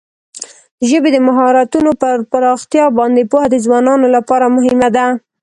د ژبې د مهارتونو پر پراختیا باندې پوهه د ځوانانو لپاره مهمه ده.